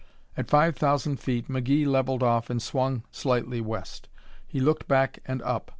At five thousand feet McGee leveled off and swung slightly west. He looked back and up.